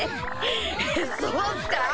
そうっすか？